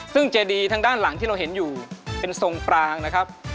ซึ่งเจดีทางด้านหลังที่เราเห็นอยู่เป็นทรงปรางนะครับ